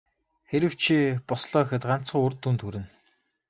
Хэрэв чи бослоо гэхэд ганцхан үр дүнд хүрнэ.